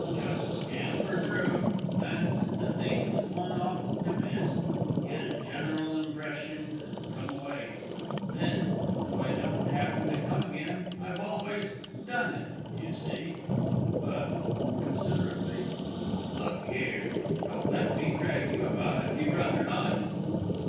Just scamper through, glance at the things one oughtn't to miss, get a general impression, and come away. Then, if I don't happen to come again, I've always done it, you see. But (considerately), look here. Don't let me drag you about, if you'd rather not!